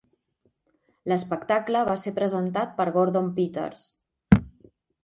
L'espectacle va ser presentat per Gordon Peters.